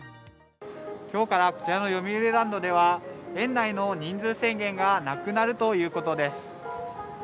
きょうからこちらのよみうりランドでは、園内の人数制限がなくなるということです。